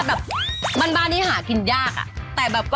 หมูขอบงานรู้เลยว่าเป็นหมูขอบผี